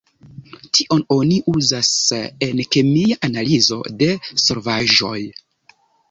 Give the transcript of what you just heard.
Tion oni uzas en kemia analizo de solvaĵoj.